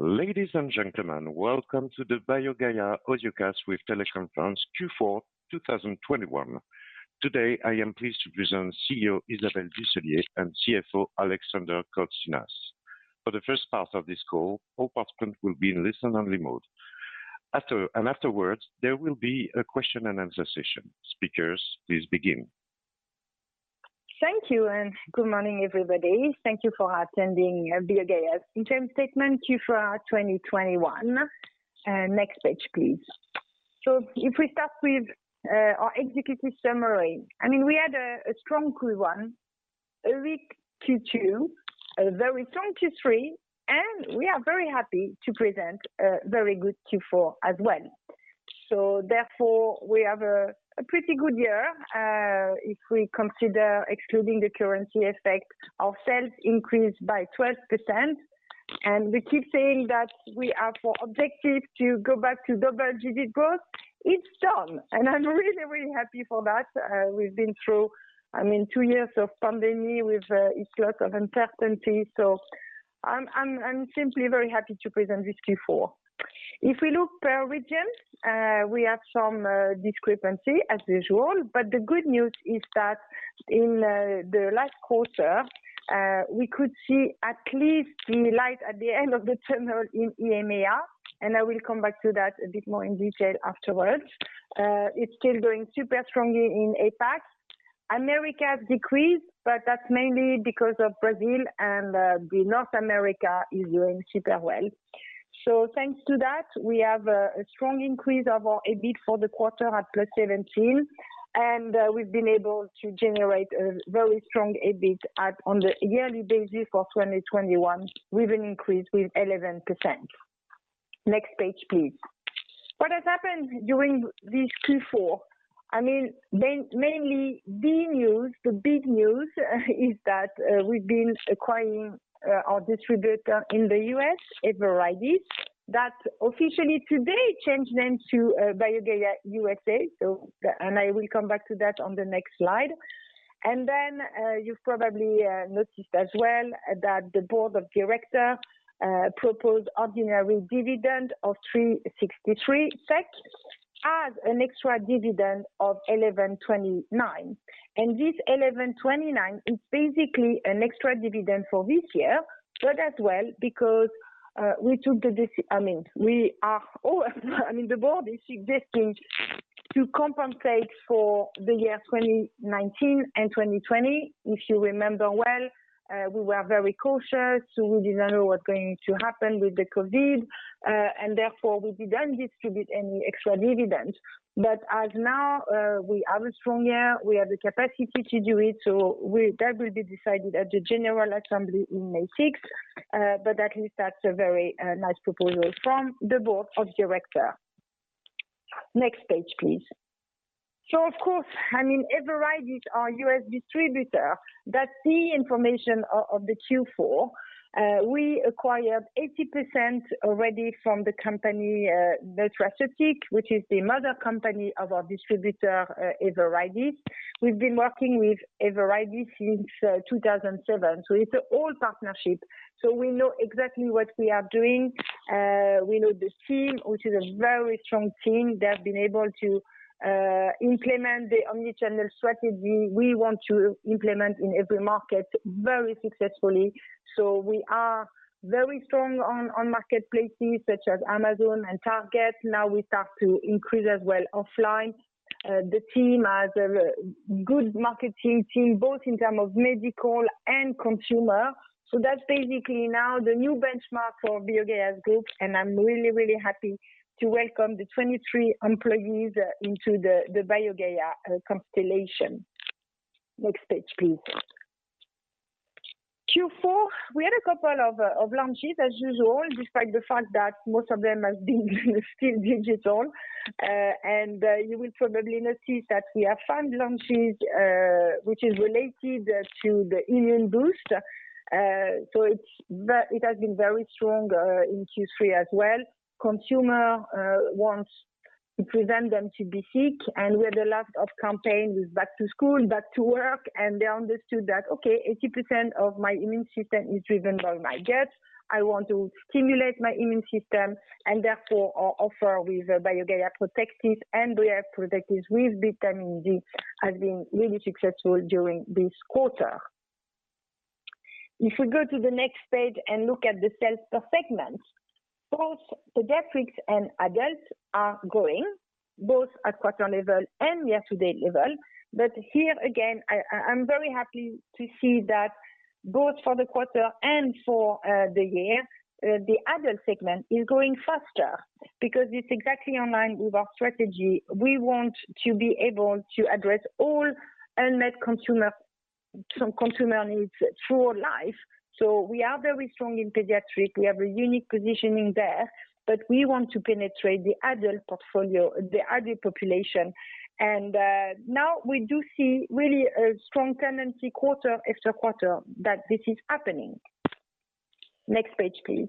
Ladies and gentlemen, welcome to the BioGaia audiocast with teleconference Q4 2021. Today I am pleased to present CEO Isabelle Ducellier and CFO Alexander Kotsinas. For the first part of this call, all participants will be in listen-only mode. Afterwards, there will be a question and answer session. Speakers, please begin. Thank you, and good morning, everybody. Thank you for attending BioGaia's interim statement Q4 2021. Next page, please. If we start with our executive summary. I mean, we had a strong Q1, a weak Q2, a very strong Q3, and we are very happy to present a very good Q4 as well. Therefore, we have a pretty good year. If we consider excluding the currency effect, our sales increased by 12%. We keep saying that we are our objective to go back to double-digit growth. It's done, and I'm really happy for that. We've been through, I mean, two years of pandemic with a lot of uncertainty. I'm simply very happy to present this Q4. If we look per region, we have some discrepancy as usual. The good news is that in the last quarter, we could see at least the light at the end of the tunnel in EMEA, and I will come back to that a bit more in detail afterwards. It's still doing super strongly in APAC. America has decreased, but that's mainly because of Brazil and the North America is doing super well. Thanks to that, we have a strong increase of our EBIT for the quarter at +17%, and we've been able to generate a very strong EBIT on the yearly basis of 2021. We've increased with 11%. Next page, please. What has happened during this Q4, I mean, mainly the news, the big news, is that we've been acquiring our distributor in the U.S., Everidis. That officially today changed name to BioGaia USA. I will come back to that on the next slide. Then, you've probably noticed as well that the Board of Directors proposed ordinary dividend of 3.63 SEK and an extra dividend of 11.29. This 11.29 is basically an extra dividend for this year, but as well because the Board is suggesting to compensate for the year 2019 and 2020. If you remember well, we were very cautious, so we didn't know what's going to happen with the COVID, and therefore we didn't distribute any extra dividend. As of now, we have a strong year, we have the capacity to do it. That will be decided at the general assembly in May 6. At least that's a very nice proposal from the Board of Directors. Next page, please. Of course, I mean, Everidis, our U.S. distributor. That key information of the Q4, we acquired 80% already from the company, Nutraceutics, which is the parent company of our distributor, Everidis. We've been working with Everidis since 2007, so it's an old partnership. We know exactly what we are doing. We know the team, which is a very strong team. They have been able to implement the omnichannel strategy we want to implement in every market very successfully. We are very strong on marketplaces such as Amazon and Target. Now we start to increase as well offline. The team has a good marketing team, both in terms of medical and consumer. That's basically now the new benchmark for BioGaia Group, and I'm really, really happy to welcome the 23 employees into the BioGaia constellation. Next page, please. Q4, we had a couple of launches as usual, despite the fact that most of them have been still digital. You will probably notice that we have five launches, which is related to the immune boost. It has been very strong in Q3 as well. Consumer wants to prevent them to be sick, and we had a lot of campaigns with back to school, back to work, and they understood that, okay, 80% of my immune system is driven by my gut. I want to stimulate my immune system, and therefore our offer with BioGaia Protectis and Reuteri Protectis with vitamin D has been really successful during this quarter. If we go to the next page and look at the sales per segment, both pediatrics and adult are growing, both at quarter level and year-to-date level. Here again, I'm very happy to see that both for the quarter and for the year, the adult segment is growing faster because it's exactly in line with our strategy. We want to be able to address all unmet consumer, some consumer needs through life. We are very strong in pediatric. We have a unique positioning there, but we want to penetrate the adult portfolio, the adult population. Now we do see really a strong tendency quarter after quarter that this is happening. Next page, please.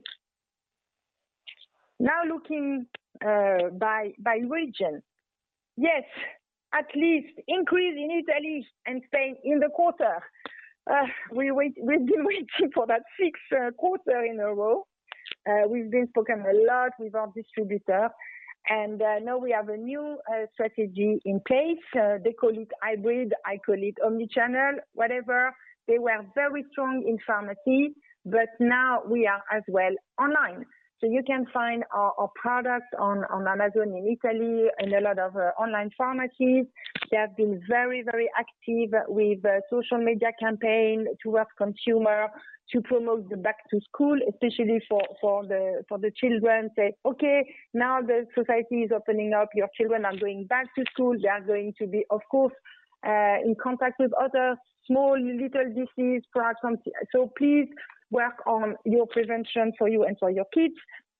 Now looking by region. Yes, at least increase in Italy and Spain in the quarter. We've been waiting for that six quarters in a row. We've been speaking a lot with our distributor, and now we have a new strategy in place. They call it hybrid, I call it omnichannel, whatever. They were very strong in pharmacy, but now we are as well online. So you can find our products on Amazon in Italy and a lot of online pharmacies. They have been very active with social media campaign to reach consumers to promote the back to school, especially for the children say, "Okay, now the society is opening up, your children are going back to school. They are going to be, of course, in contact with other small little diseases perhaps. So please work on your prevention for you and for your kids."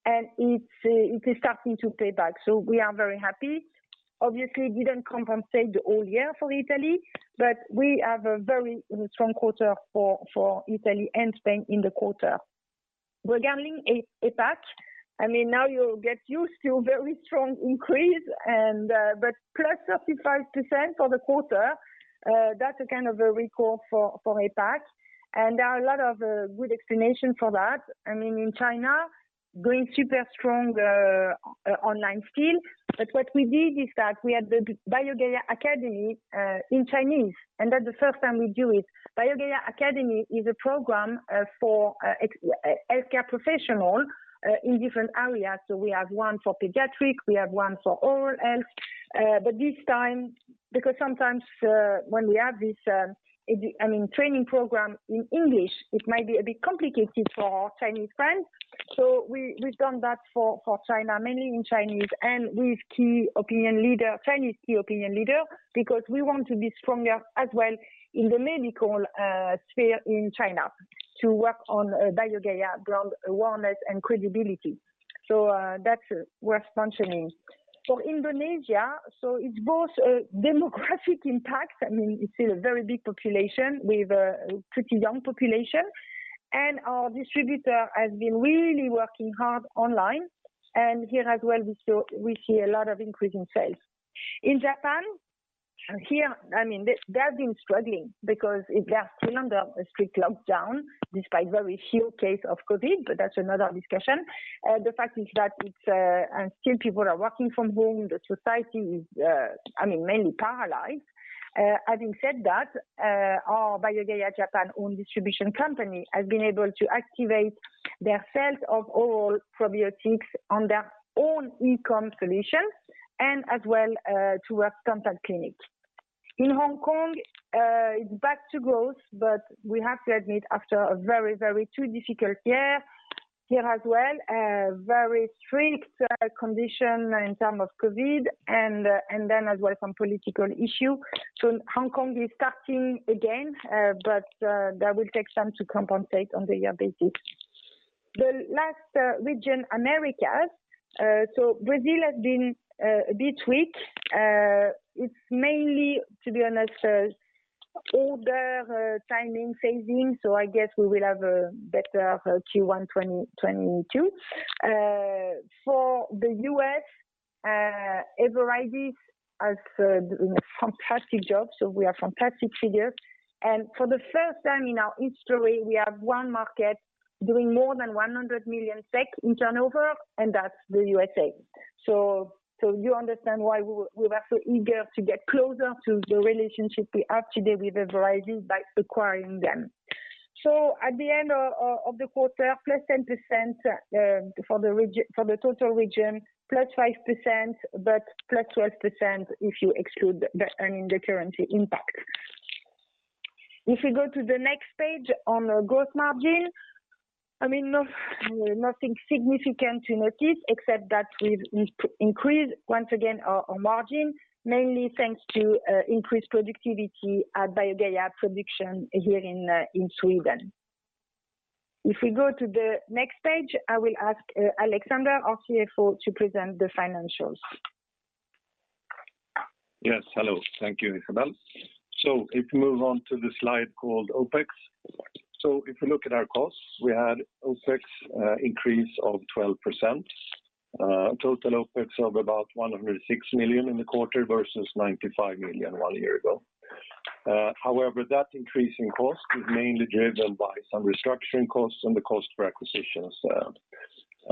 It is starting to pay back. We are very happy. Obviously, we didn't compensate the whole year for Italy, but we have a very strong quarter for Italy and Spain in the quarter. Regarding APAC, I mean, now you get used to very strong increase and, but plus 35% for the quarter, that's a kind of a record for APAC, and there are a lot of good explanations for that. I mean, in China, growing super strong online still. But what we did is that we had the BioGaia Academy in Chinese, and that's the first time we do it. BioGaia Academy is a program for healthcare professionals in different areas. We have one for pediatric, we have one for oral health. But this time because sometimes when we have this, I mean, training program in English, it might be a bit complicated for our Chinese friends. We've done that for China, mainly in Chinese and with key opinion leader, Chinese key opinion leader, because we want to be stronger as well in the medical sphere in China to work on BioGaia brand awareness and credibility. That's worth mentioning. For Indonesia, it's both a demographic impact. I mean, it's still a very big population with a pretty young population, and our distributor has been really working hard online. Here as well, we see a lot of increase in sales. In Japan, here, I mean, they have been struggling because they are still under a strict lockdown despite very few cases of COVID, but that's another discussion. The fact is that it's still and people are working from home, the society is, I mean, mainly paralyzed. Having said that, our BioGaia Japan own distribution company has been able to activate their sales of oral probiotics on their own e-com solution and as well to work with dental clinics. In Hong Kong, it's back to growth, but we have to admit after two very, very difficult years. Here as well, a very strict condition in terms of COVID and then as well some political issue. Hong Kong is starting again, but that will take some time to compensate on a yearly basis. The last region, Americas. Brazil has been a bit weak. It's mainly, to be honest, order timing and phasing. I guess we will have a better Q1 2022. For the U.S., Everidis has, you know, done a fantastic job. We have fantastic figures. For the first time in our history, we have one market doing more than 100 million SEK in turnover, and that's the USA. You understand why we were so eager to get closer to the relationship we have today with Everidis by acquiring them. At the end of the quarter, plus 10%, for the total region, plus 5%, but plus 12% if you exclude the, I mean, the currency impact. If you go to the next page on gross margin, I mean, nothing significant to notice except that we've increased once again our margin, mainly thanks to increased productivity at BioGaia Production here in Sweden. If we go to the next page, I will ask Alexander, our CFO, to present the financials. Yes. Hello. Thank you, Isabelle. If you move on to the slide called OpEx. If you look at our costs, we had OpEx increase of 12%. Total OpEx of about 106 million in the quarter versus 95 million one year ago. However, that increase in cost is mainly driven by some restructuring costs and the cost for acquisitions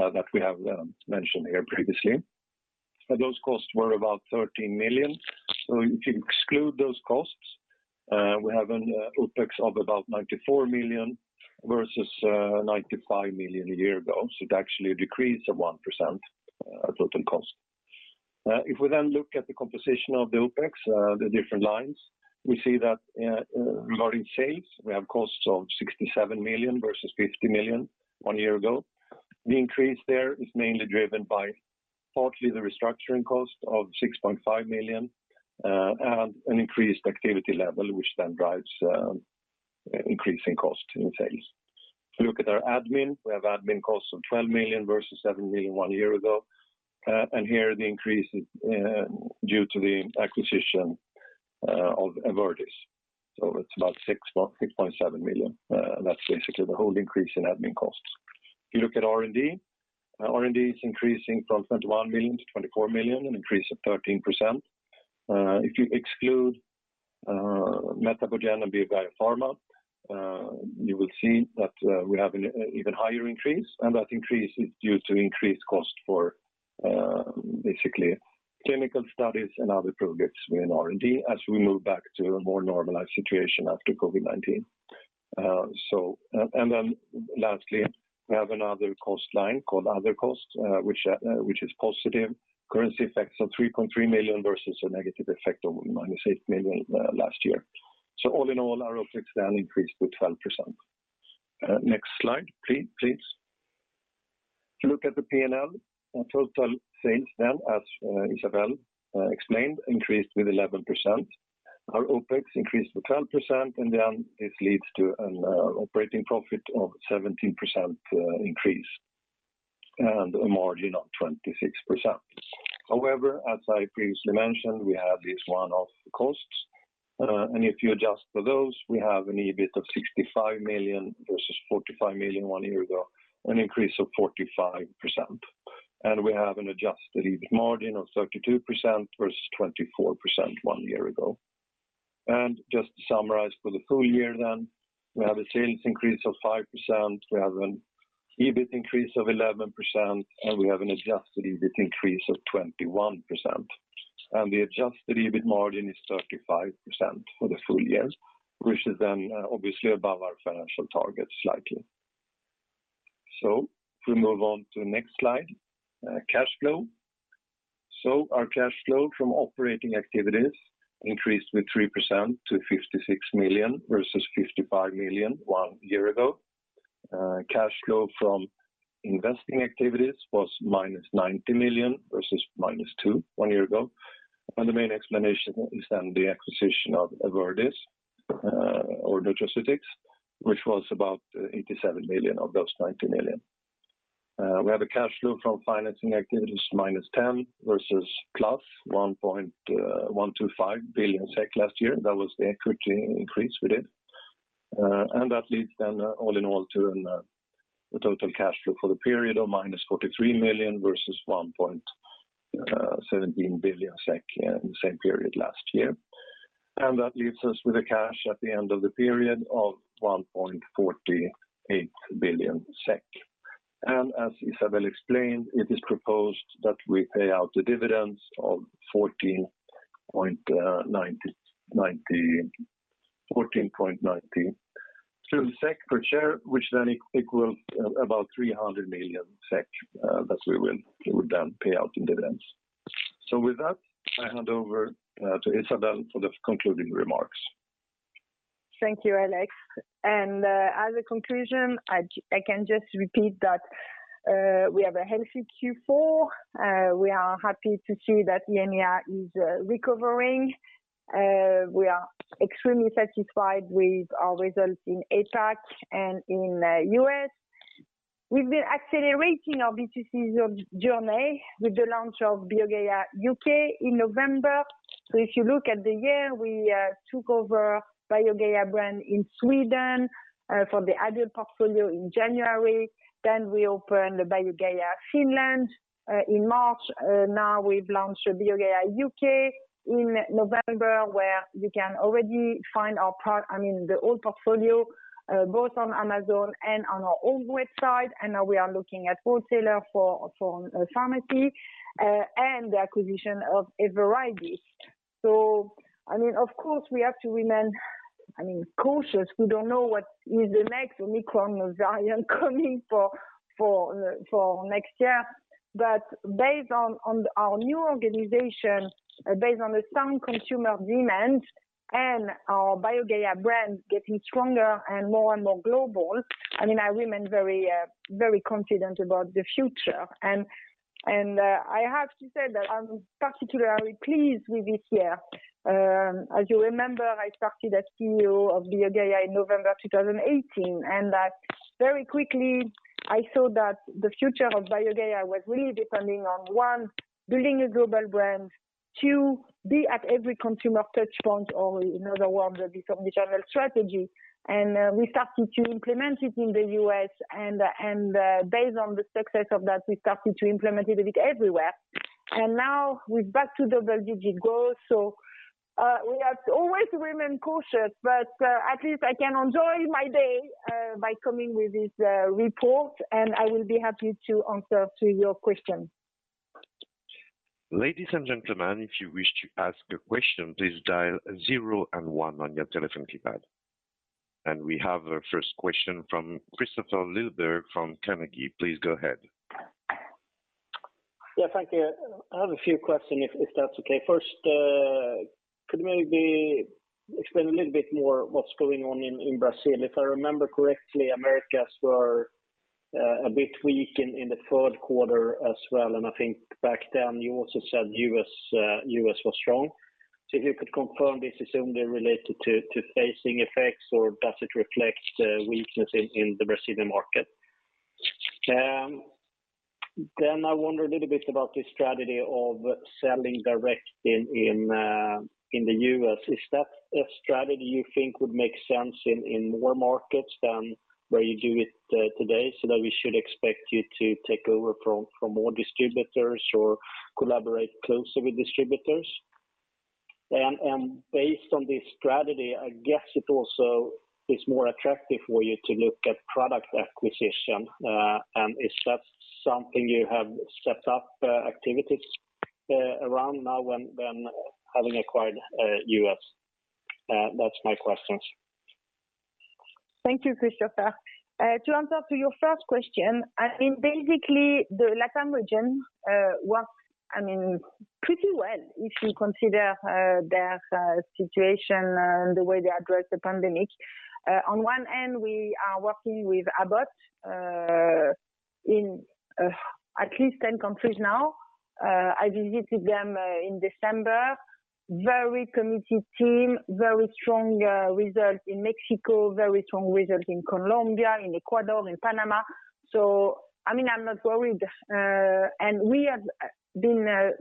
that we have mentioned here previously. Those costs were about 13 million. If you exclude those costs, we have an OpEx of about 94 million versus 95 million a year ago. It actually a decrease of 1%, total cost. If we then look at the composition of the OpEx, the different lines, we see that, regarding sales, we have costs of 67 million versus 50 million one year ago. The increase there is mainly driven by partly the restructuring cost of 6.5 million and an increased activity level, which then drives increasing cost in sales. If you look at our admin, we have admin costs of 12 million versus 7 million one year ago. Here the increase is due to the acquisition of Everidis. It's about 6.7 million. That's basically the whole increase in admin costs. If you look at R&D, R&D is increasing from 21 million to 24 million, an increase of 13%. If you exclude MetaboGen and BioGaia Pharma, you will see that we have an even higher increase, and that increase is due to increased cost for basically clinical studies and other projects within R&D as we move back to a more normalized situation after COVID-19. Last, we have another cost line called other costs, which is positive currency effects of 3.3 million versus a negative effect of -8 million last year. All in all, our OpEx increased with 12%. Next slide, please. If you look at the P&L, our total sales, as Isabelle explained, increased with 11%. Our OpEx increased with 12%, and this leads to an operating profit of 17% increase and a margin of 26%. However, as I previously mentioned, we have these one-off costs. If you adjust for those, we have an EBIT of 65 million versus 45 million one year ago, an increase of 45%. We have an adjusted EBIT margin of 32% versus 24% one year ago. Just to summarize for the full year then, we have a sales increase of 5%, we have an EBIT increase of 11%, and we have an adjusted EBIT increase of 21%. The adjusted EBIT margin is 35% for the full year, which is then obviously above our financial target slightly. If we move on to the next slide, cash flow. Our cash flow from operating activities increased with 3% to 56 million, versus 55 million one year ago. Cash flow from investing activities was -90 million, versus -2 million one year ago. The main explanation is then the acquisition of Everidis or Nutraceutics, which was about 87 million of those 90 million. Cash flow from financing activities was -10 million versus +1.125 billion SEK last year. That was the equity increase we did. That leads then all in all to a total cash flow for the period of -43 million versus 1.17 billion SEK in the same period last year. That leaves us with cash at the end of the period of 1.48 billion SEK. As Isabelle explained, it is proposed that we pay out the dividends of SEK 14.92 per share, which then equals about 300 million SEK that we will then pay out in dividends. With that, I hand over to Isabelle for the concluding remarks. Thank you, Alex. As a conclusion, I can just repeat that we have a healthy Q4. We are happy to see that EMEA is recovering. We are extremely satisfied with our results in APAC and in U.S. We've been accelerating our B2C journey with the launch of BioGaia UK in November. If you look at the year, we took over BioGaia brand in Sweden for the adult portfolio in January. We opened BioGaia Finland in March. Now we've launched BioGaia UK in November, where you can already find our I mean, the old portfolio both on Amazon and on our own website. Now we are looking at wholesaler for pharmacy and the acquisition of Everidis. I mean, of course, we have to remain I mean, cautious. We don't know what is the next Omicron or variant coming for next year. Based on our new organization, based on the strong consumer demand and our BioGaia brand getting stronger and more and more global, I mean, I remain very confident about the future. I have to say that I'm particularly pleased with this year. As you remember, I started as CEO of BioGaia in November 2018, and that very quickly I saw that the future of BioGaia was really depending on, one, building a global brand. Two, be at every consumer touch point, or in other words, this omnichannel strategy. We started to implement it in the U.S. and, based on the success of that, we started to implement it a bit everywhere. Now we're back to double-digit growth. We have to always remain cautious, but at least I can enjoy my day by coming with this report, and I will be happy to answer to your questions. We have a first question from Kristofer Liljeberg from Carnegie. Please go ahead. Yeah, thank you. I have a few questions if that's okay. First, could you maybe explain a little bit more what's going on in Brazil? If I remember correctly, Americas were a bit weak in the third quarter as well. I think back then you also said U.S. was strong. If you could confirm this is only related to phasing effects or does it reflect weakness in the Brazilian market? Then I wonder a little bit about the strategy of selling direct in the U.S. Is that a strategy you think would make sense in more markets than where you do it today, so that we should expect you to take over from more distributors or collaborate closer with distributors? Based on this strategy, I guess it also is more attractive for you to look at product acquisition. Is that something you have set up activities around now rather than having acquired the U.S.? That's my question. Thank you, Kristofer. To answer to your first question, I mean, basically, the LatAm region works, I mean, pretty well if you consider their situation and the way they address the pandemic. On one end, we are working with Abbott in at least 10 countries now. I visited them in December. Very committed team, very strong result in Mexico, very strong result in Colombia, in Ecuador, in Panama. I mean, I'm not worried. We have been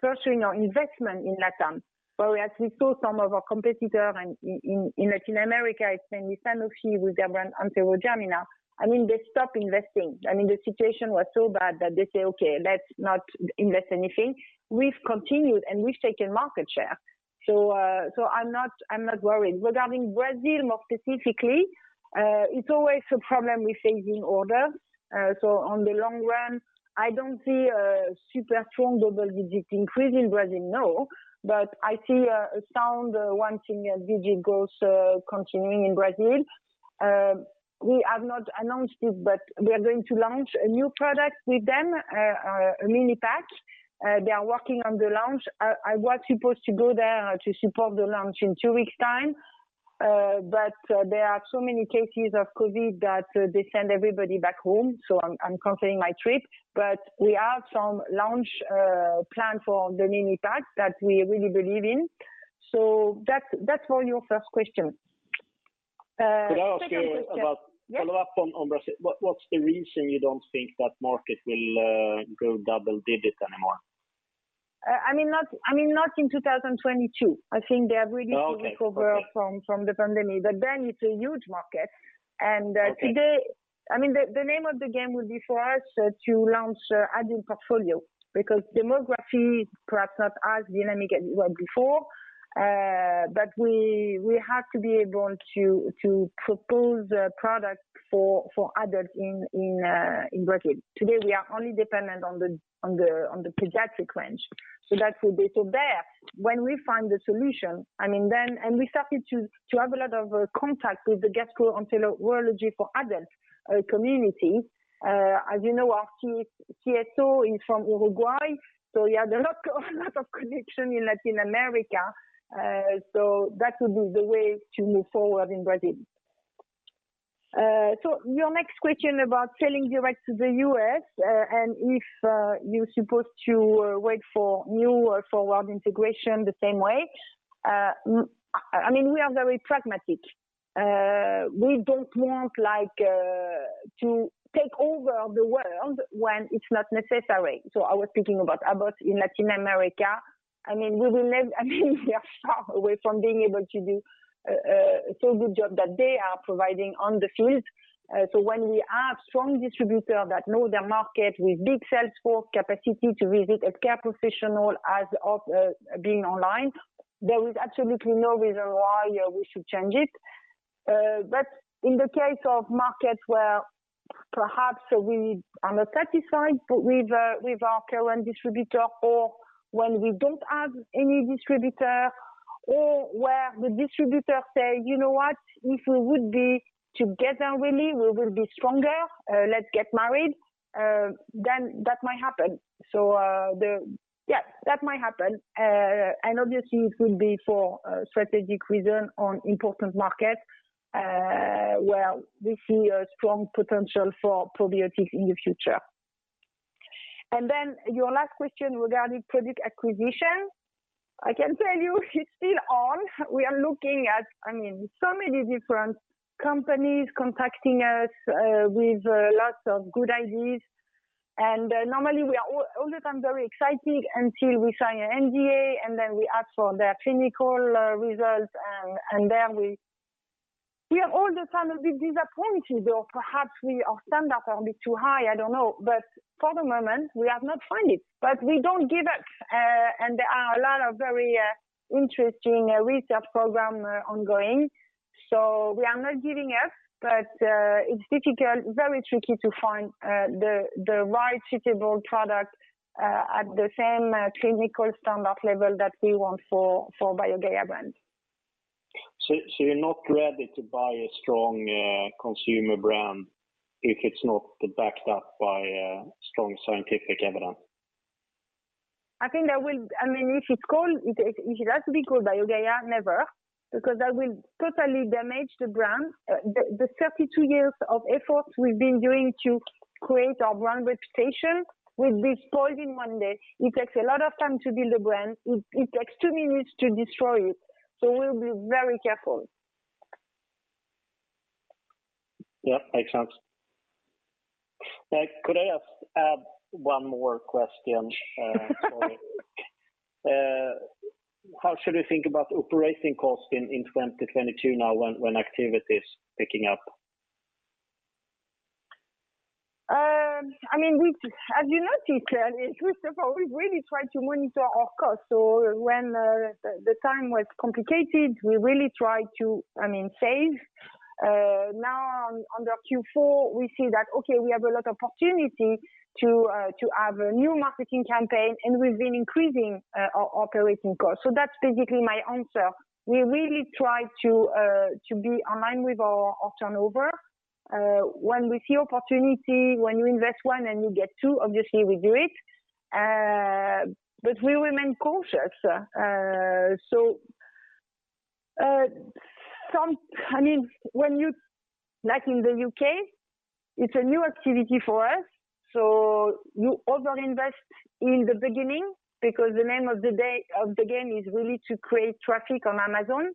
pursuing our investment in LatAm, where we actually saw some of our competitor and in Latin America, it's mainly Sanofi with their brand Enterogermina. I mean, they stopped investing. I mean, the situation was so bad that they say, "Okay, let's not invest anything." We've continued, and we've taken market share. I'm not worried. Regarding Brazil more specifically, it's always a problem with phasing order. On the long run, I don't see a super strong double-digit increase in Brazil, no. I see a sound single-digit growth continuing in Brazil. We have not announced it, but we are going to launch a new product with them, a mini pack. They are working on the launch. I was supposed to go there to support the launch in two weeks' time, but there are so many cases of COVID that they send everybody back home, so I'm canceling my trip. We have some launch plan for the mini pack that we really believe in. That's for your first question. Second question- Could I ask you about? Yeah. Follow-up on Brazil. What's the reason you don't think that market will grow double digits anymore? I mean, not in 2022. I think they have really to recover. Okay. Okay... from the pandemic. It's a huge market. Okay Today, I mean, the name of the game will be for us to launch adult portfolio, because demography is perhaps not as dynamic as it was before. We have to be able to propose a product for adults in Brazil. Today, we are only dependent on the pediatric range. That would be there. When we find the solution, I mean, then we started to have a lot of contacts with the gastroenterology for adult community. You know, our Chief CSO is from Uruguay, so yeah, there are a lot of connections in Latin America. That would be the way to move forward in Brazil. Your next question about selling direct to the U.S., and if you're supposed to wait for new or forward integration the same way. I mean, we are very pragmatic. We don't want like to take over the world when it's not necessary. I was thinking about Abbott in Latin America. I mean, we will never. I mean, we are far away from being able to do such a good job that they are providing in the field. When we have strong distributor that know their market with big sales force capacity to visit healthcare professional as opposed to being online, there is absolutely no reason why we should change it. in the case of markets where perhaps we are not satisfied with our current distributor or when we don't have any distributor or where the distributor say, "You know what? If we would be together, really, we will be stronger. let's get married," then that might happen. Yeah, that might happen. obviously, it will be for, strategic reason on important market, where we see a strong potential for probiotics in the future. then your last question regarding product acquisition, I can tell you it's still on. We are looking at, I mean, so many different companies contacting us, with, lots of good ideas. normally, we are all the time very excited until we sign an NDA, and then we ask for their clinical results and then we... We are all the time a bit disappointed, or perhaps our standard are a bit too high, I don't know. For the moment, we have not find it. We don't give up. There are a lot of very interesting research program ongoing. We are not giving up, but it's difficult, very tricky to find the right suitable product at the same clinical standard level that we want for BioGaia brand. You're not ready to buy a strong consumer brand if it's not backed up by a strong scientific evidence? If it has to be called BioGaia, never. Because that will totally damage the brand. The 32 years of efforts we've been doing to create our brand reputation will be spoiled in one day. It takes a lot of time to build a brand. It takes two minutes to destroy it. We'll be very careful. Yeah, makes sense. Could I ask one more question? Sorry. How should we think about operating costs in 2022 now when activity is picking up? I mean, as you noticed, Kristofer, we've really tried to monitor our costs. When the time was complicated, we really tried to, I mean, save. Now under Q4, we see that, okay, we have a lot of opportunity to have a new marketing campaign, and we've been increasing our operating costs. That's basically my answer. We really try to be aligned with our turnover. When we see opportunity, when you invest one and you get two, obviously we do it. But we remain cautious. I mean, like in the U.K., it's a new activity for us, so you over-invest in the beginning because the name of the game is really to create traffic on Amazon.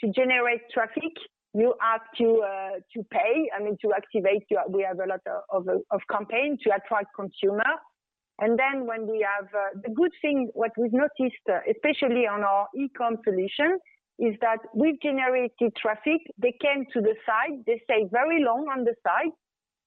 To generate traffic, you have to pay. I mean, to activate your campaigns. We have a lot of campaigns to attract consumers. The good thing we've noticed, especially on our e-com solution, is that we've generated traffic. They came to the site. They stay very long on the site.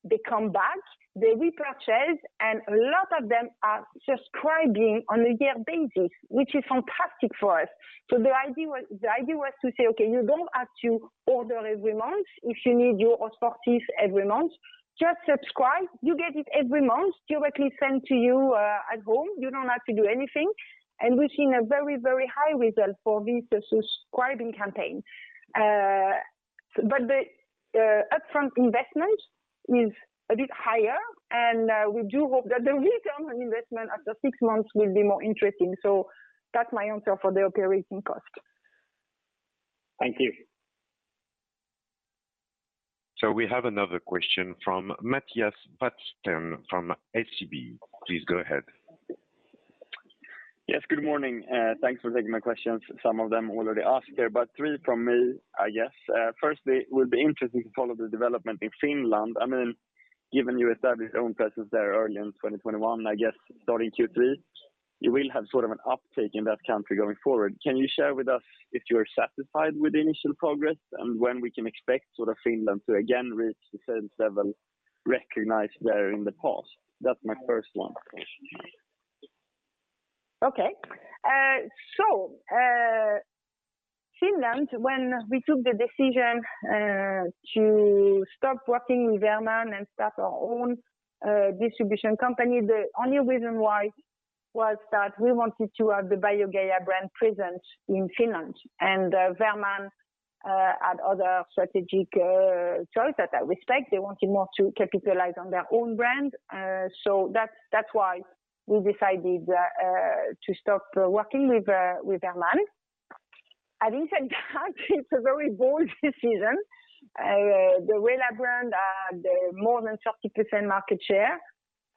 They come back. They repurchase. A lot of them are subscribing on a year basis, which is fantastic for us. The idea was to say, "Okay, you don't have to order every month if you need your Osfortis every month. Just subscribe. You get it every month directly sent to you at home. You don't have to do anything." We've seen a very high result for this subscribing campaign. The upfront investment is a bit higher, and we do hope that the return on investment after six months will be more interesting. That's my answer for the operating cost. Thank you. We have another question from Mattias Vadsten from SEB. Please go ahead. Yes, good morning. Thanks for taking my questions. Some of them already asked here, but 3 from me, I guess. Firstly, it would be interesting to follow the development in Finland. I mean, given you established your own presence there early in 2021, I guess starting Q3, you will have sort of an uptake in that country going forward. Can you share with us if you're satisfied with the initial progress and when we can expect sort of Finland to again reach the sales level recognized there in the past? That's my first one. Okay. Finland, when we took the decision to stop working with Verman and start our own distribution company, the only reason why was that we wanted to have the BioGaia brand present in Finland. Verman had other strategic choice in that respect. They wanted more to capitalize on their own brand. That's why we decided to stop working with Verman. Having said that, it's a very bold decision. The RELA brand has more than 30% market share.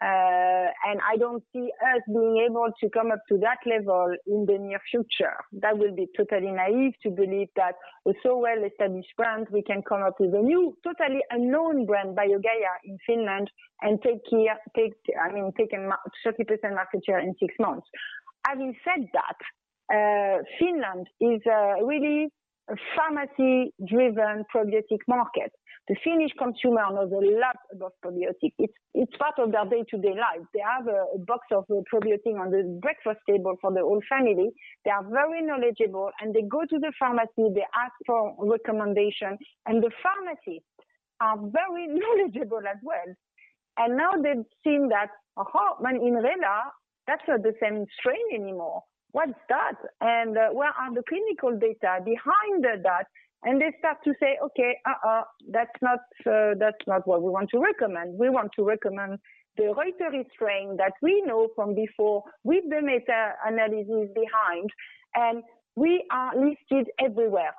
I don't see us being able to come up to that level in the near future. That will be totally naive to believe that with so well-established brand, we can come up with a new, totally unknown brand, BioGaia, in Finland and take, I mean, a 30% market share in six months. Having said that, Finland is a really pharmacy-driven probiotic market. The Finnish consumer knows a lot about probiotic. It's part of their day-to-day life. They have a box of probiotic on the breakfast table for the whole family. They are very knowledgeable, and they go to the pharmacy, they ask for recommendation, and the pharmacies are very knowledgeable as well. Now they've seen that, "Oh, but in RELA, that's not the same strain anymore. What's that? Where are the clinical data behind that?" They start to say, "Okay, that's not what we want to recommend. We want to recommend the Reuteri strain that we know from before with the meta-analysis behind. We are listed everywhere.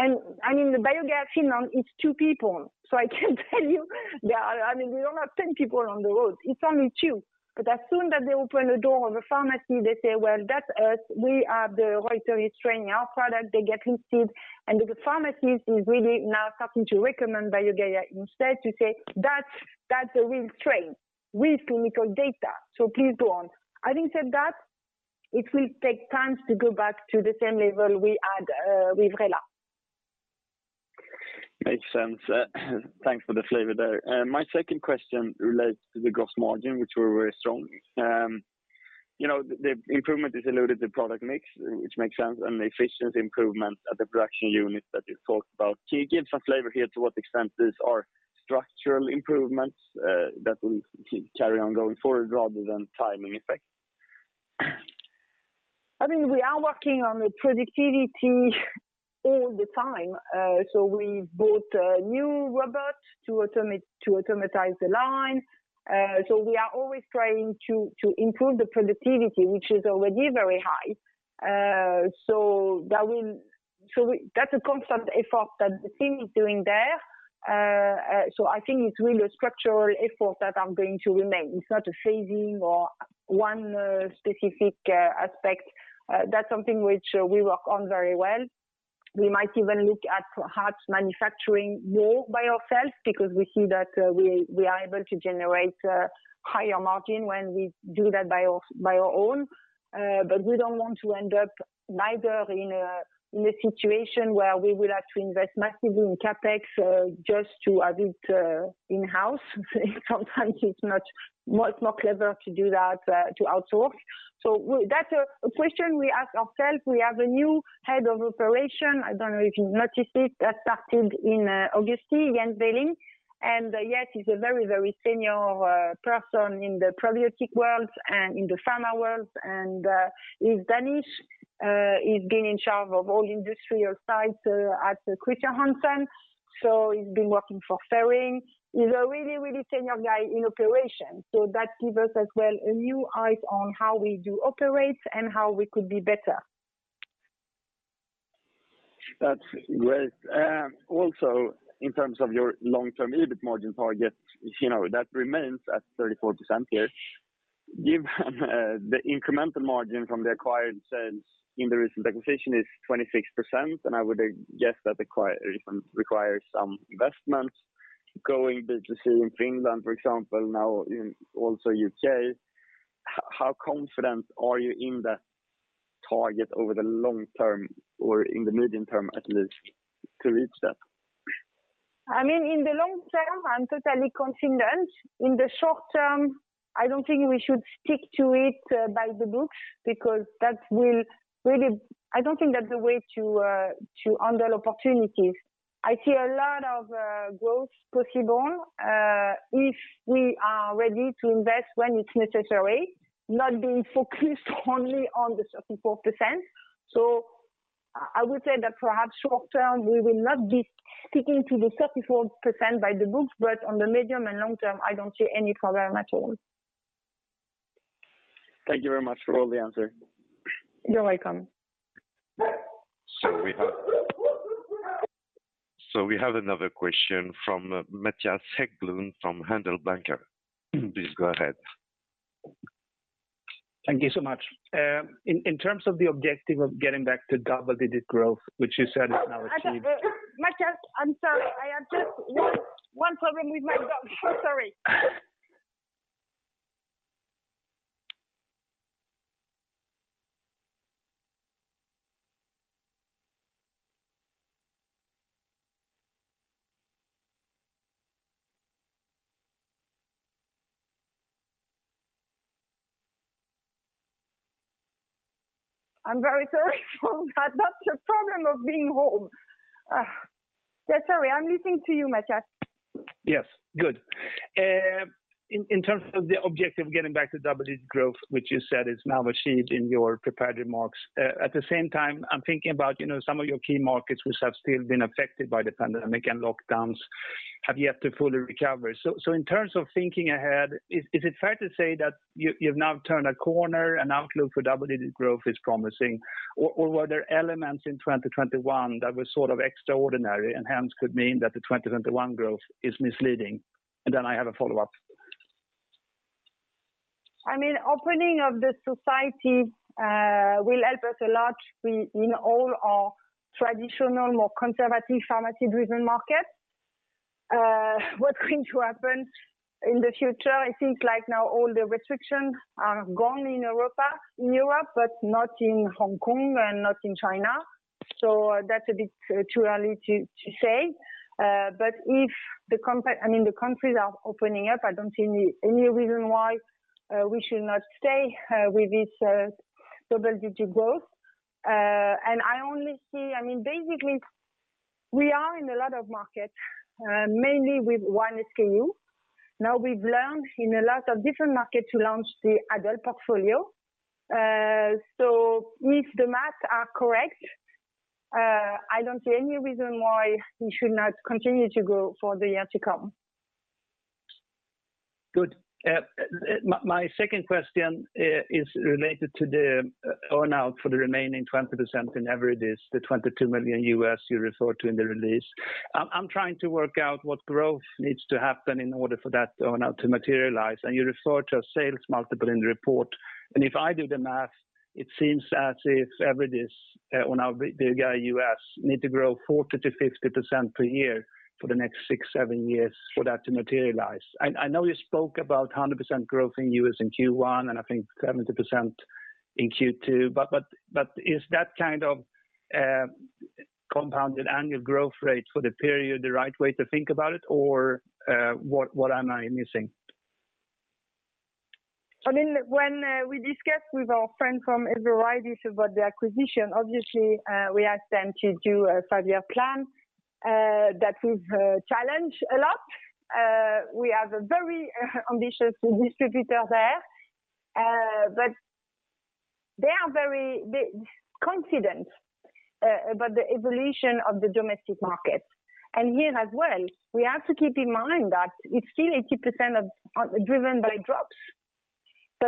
I mean, the BioGaia Finland is two people, so I can tell you there are. I mean, we don't have 10 people on the road. It's only two. But as soon as they open the door of a pharmacy, they say, "Well, that's us. We are the Reuteri strain. Our product." They get listed. The pharmacist is really now starting to recommend BioGaia instead to say, "That's a real strain with clinical data, so please go on." Having said that, it will take time to go back to the same level we had with RELA. Makes sense. Thanks for the flavor there. My second question relates to the gross margin, which were very strong. The improvement is alluded to product mix, which makes sense, and the efficiency improvement at the production unit that you talked about. Can you give some flavor here to what extent these are structural improvements that will carry on going forward rather than timing effect? I mean, we are working on the productivity all the time. We bought a new robot to automate the line. We are always trying to improve the productivity, which is already very high. That's a constant effort that the team is doing there. I think it's really a structural effort that are going to remain. It's not a phasing or one specific aspect. That's something which we work on very well. We might even look at perhaps manufacturing more by ourselves because we see that we are able to generate higher margin when we do that by our own. We don't want to end up neither in a situation where we will have to invest massively in CapEx just to have it in-house. Sometimes it's more clever to do that to outsource. That's a question we ask ourselves. We have a new head of operation. I don't know if you noticed it. That started in August, [Jens Vehling]. He's a very senior person in the probiotic world and in the pharma world. He's Danish. He's been in charge of all industrial sites at Chr. Hansen. He's been working for Ferring. He's a really senior guy in operation. That gives us as well a new eyes on how we do operate and how we could be better. That's great. Also in terms of your long-term EBIT margin target, you know, that remains at 34% here. Given the incremental margin from the acquired sales in the recent acquisition is 26%, and I would guess that the recent acquisition requires some investments. Going B2C in Finland, for example, now also in the U.K., how confident are you in that target over the long term or in the medium term at least to reach that? I mean, in the long term, I'm totally confident. In the short term, I don't think we should stick to it by the book. I don't think that's the way to handle opportunities. I see a lot of growth possible if we are ready to invest when it's necessary, not being focused only on the 34%. I would say that perhaps short term, we will not be sticking to the 34% by the book, but on the medium and long term, I don't see any problem at all. Thank you very much for all the answer. You're welcome. We have another question from Mattias Häggblom from Handelsbanken. Please go ahead. Thank you so much. In terms of the objective of getting back to double-digit growth, which you said is now achieved- Mattias, I'm sorry. I have just one problem with my dog. Sorry. I'm very sorry for that. That's the problem of being home. Yeah, sorry. I'm listening to you, Mattias. Yes. Good. In terms of the objective of getting back to double-digit growth, which you said is now achieved in your prepared remarks, at the same time, I'm thinking about, you know, some of your key markets which have still been affected by the pandemic and lockdowns have yet to fully recover. In terms of thinking ahead, is it fair to say that you've now turned a corner and outlook for double-digit growth is promising? Or were there elements in 2021 that were sort of extraordinary and hence could mean that the 2021 growth is misleading? Then I have a follow-up. I mean, opening of the society will help us a lot in all our traditional, more conservative pharmacy-driven markets. What's going to happen in the future, I think like now all the restrictions are gone in Europe, but not in Hong Kong and not in China. So that's a bit too early to say. But if the countries are opening up, I don't see any reason why we should not stay with this double-digit growth. And I only see I mean, basically, we are in a lot of markets mainly with one SKU. Now we've learned in a lot of different markets to launch the adult portfolio. So if the math are correct, I don't see any reason why we should not continue to grow for the year to come. Good. My second question is related to the earn-out for the remaining 20% in Everidis, the $22 million you referred to in the release. I'm trying to work out what growth needs to happen in order for that earn-out to materialize, and you referred to a sales multiple in the report. If I do the math, it seems as if Everidis, when we go U.S., needs to grow 40%-50% per year for the next 6-7 years for that to materialize. I know you spoke about 100% growth in U.S. in Q1, and I think 70% in Q2. Is that kind of compounded annual growth rate for the period the right way to think about it? Or what am I missing? I mean, when we discussed with our friend from Everidis about the acquisition, obviously we asked them to do a five-year plan that we've challenged a lot. We have a very ambitious distributor there. They are very confident about the evolution of the domestic market. Here as well, we have to keep in mind that it's still 80% driven by drops.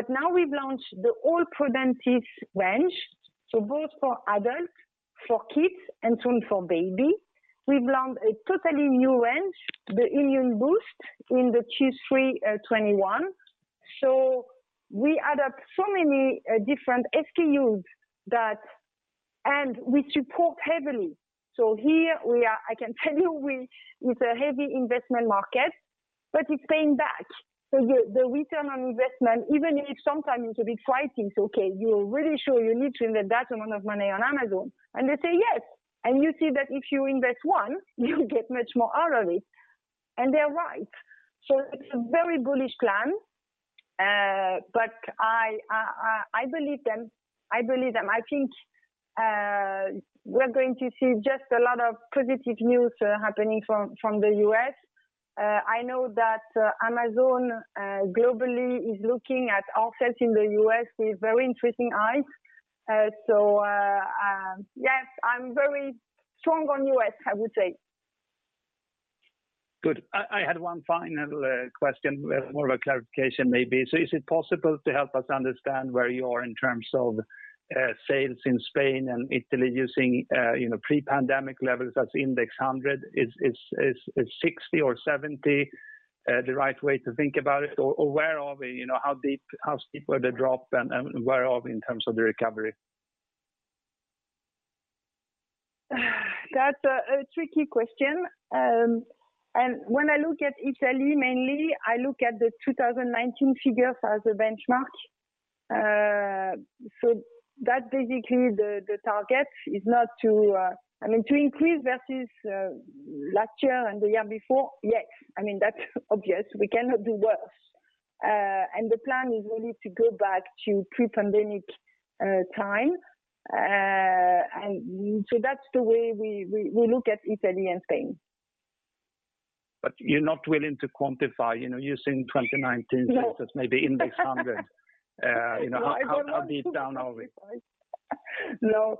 Now we've launched the all Prodentis range, so both for adults, for kids, and soon for baby. We've launched a totally new range, the Immune Boost in the Q3 2021. We add up so many different SKUs that we support heavily. Here we are with heavy investment in the market, but it's paying back. Return on investment, even if sometimes it's a big fight, it's okay. You're really sure you need to invest that amount of money on Amazon? They say, yes. You see that if you invest one, you'll get much more out of it. They're right. It's a very bullish plan. But I believe them. I think we're going to see just a lot of positive news happening from the U.S. I know that Amazon globally is looking at offset in the U.S. with very interesting eyes. Yes, I'm very strong on U.S., I would say. Good. I had one final question, more of a clarification maybe. Is it possible to help us understand where you are in terms of sales in Spain and Italy using pre-pandemic levels as index 100? Is 60 or 70 the right way to think about it? Or where are we? You know, how deep, how steep were the drop and where are we in terms of the recovery? That's a tricky question. When I look at Italy, mainly I look at the 2019 figures as a benchmark. That's basically the target is not to I mean to increase versus last year and the year before, yes. I mean, that's obvious. We cannot do worse. The plan is really to go back to pre-pandemic time. That's the way we look at Italy and Spain. You're not willing to quantify, you know, using 2019 figures. No. You know, how deep down are we? No,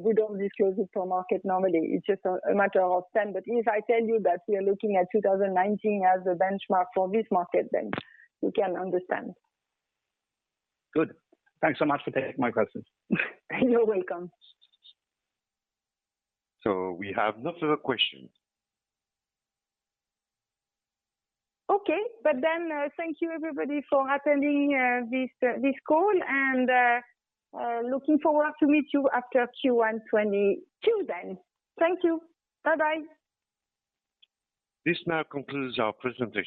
we don't disclose it for market normally. It's just a matter of time. If I tell you that we are looking at 2019 as a benchmark for this market, then you can understand. Good. Thanks so much for taking my questions. You're welcome. We have no further questions. Okay. Thank you, everybody, for attending this call and looking forward to meet you after Q1 2022 then. Thank you. Bye-bye. This now concludes our presentation.